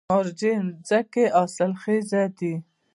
مارجې ځمکې حاصلخیزه دي؟